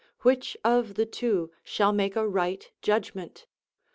Which of the two shall make a right judgment?